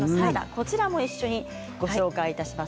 こちらも一緒にご紹介いたします。